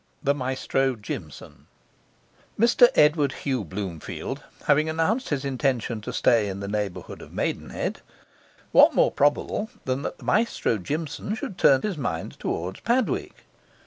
The Maestro Jimson Mr Edward Hugh Bloomfield having announced his intention to stay in the neighbourhood of Maidenhead, what more probable than that the Maestro Jimson should turn his mind toward Padwick?